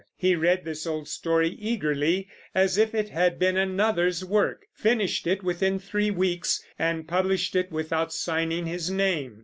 He read this old story eagerly, as if it had been another's work; finished it within three weeks, and published it without signing his name.